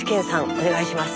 お願いします。